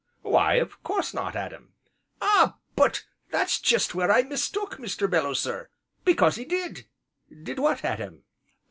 "Why, of course not, Adam." "Ah! but that's jest where I were mistook, Mr. Belloo, sir, because 'e did." "Did what, Adam?"